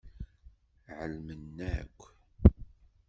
Ɛelmen akk.